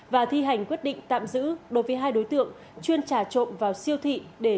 và thi hành quyết định tạm giữ đối với hai đối tượng chuyên trả trộm vào siêu thị để